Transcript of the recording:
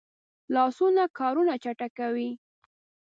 لاسونه کارونه چټکوي